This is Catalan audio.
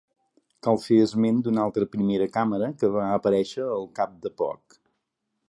Cal fer esment d'una altra primera càmera que va aparèixer al cap de poc.